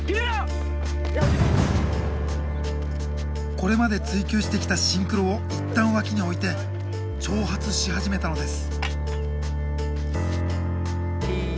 これまで追求してきたシンクロを一旦脇に置いて挑発し始めたのです。